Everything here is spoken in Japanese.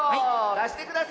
だしてください。